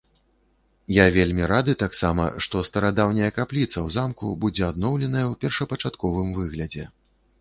Я вельмі рады таксама, што старадаўняя капліца ў замку будзе адноўленая ў першапачатковым выглядзе.